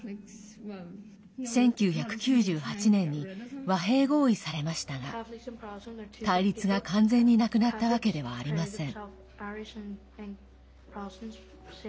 １９９８年に和平合意されましたが対立が完全になくなったわけではありません。